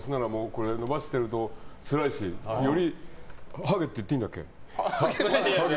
伸ばしているとつらいしよりハゲって言っていいんだっけ？